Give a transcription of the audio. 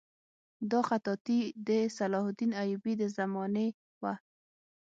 دا خطاطي د صلاح الدین ایوبي د زمانې وه.